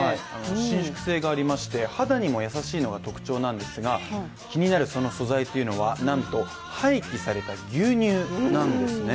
伸縮性がありまして肌にも優しいのが特徴なんですが、気になるその素材というのはなんと、廃棄された牛乳なんですね。